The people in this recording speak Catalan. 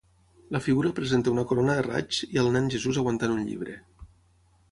La figura presenta una corona de raigs i al nen Jesús aguantant un llibre.